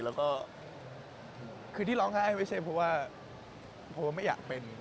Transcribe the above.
แล้วก็คือที่ร้องไห้ไม่ใช่เพราะไม่อยากเป็น